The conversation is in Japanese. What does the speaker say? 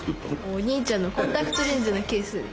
お兄ちゃんのコンタクトレンズのケース。